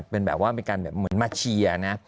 เป็นแบบว่าเป็นการแบบเหมือนมาเชียร์นะ